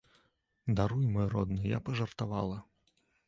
Даруй, мой родны, я пажартавала.